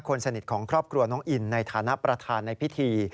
คนสนิทของครอบครัวน้องอินในฐานะประธานในพิธี